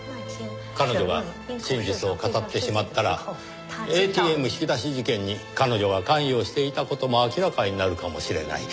彼女が真実を語ってしまったらＡＴＭ引き出し事件に彼女が関与していた事も明らかになるかもしれない。